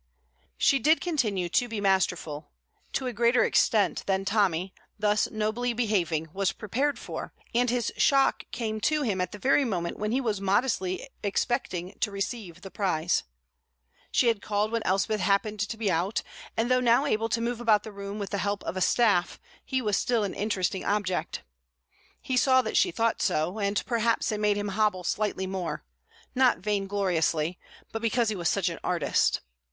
She did continue to be masterful to a greater extent than Tommy, thus nobly behaving, was prepared for; and his shock came to him at the very moment when he was modestly expecting to receive the prize. She had called when Elspeth happened to be out; and though now able to move about the room with the help of a staff, he was still an interesting object. He saw that she thought so, and perhaps it made him hobble slightly more, not vaingloriously, but because he was such an artist.